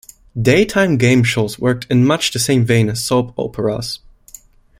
Daytime game shows worked in much the same vein as soap operas.